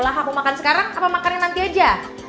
lah aku makan sekarang apa makannya nanti aja